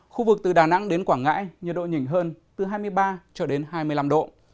khu vực từ đà nẵng đến quảng ngãi nhiệt độ nhìn hơn từ hai mươi ba cho đến hai mươi năm độ